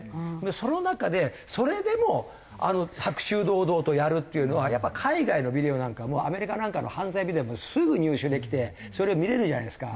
その中でそれでも白昼堂々とやるっていうのはやっぱ海外のビデオなんかもアメリカなんかの犯罪ビデオもすぐ入手できてそれを見れるじゃないですか。